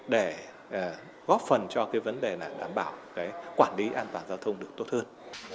để góp phần cho vấn đề đảm bảo quản lý an toàn giao thông được tốt hơn